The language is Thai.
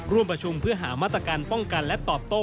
ร่วมประชุมเพื่อหามาตรการป้องกันและตอบโต้